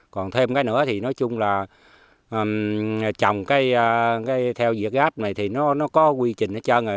còn thêm cái nữa thì nói chung là trồng cái theo dự áp này thì nó có quy trình hết trơn rồi